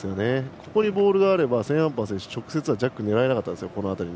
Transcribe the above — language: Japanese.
正面にボールがあればセーンアンパー選手は直接はジャックを狙えなかったんです。